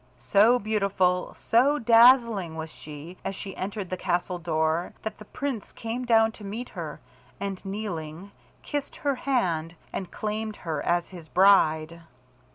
So beautiful, so dazzling was she as she entered the castle door, that the Prince came down to meet her, and kneeling, kissed her hand and claimed her as his bride.